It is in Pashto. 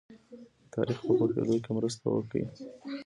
د تاریخ په پوهېدو کې مرسته وکړي.